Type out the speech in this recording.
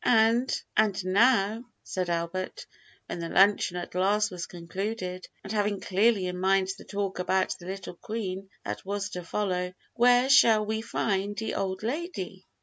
"And and now," said Albert, when the luncheon at last was concluded, and having clearly in mind the talk about the little Queen that was to follow, "where sail we find de old lady?"